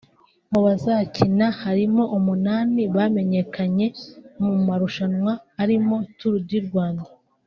Mu bazakina harimo umunani bamenyekanye mu marushanwa arimo Tour du Rwanda